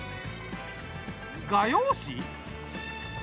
画用紙？